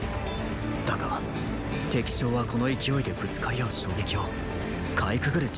だが敵将はこの勢いでぶつかり合う衝撃をかいくぐる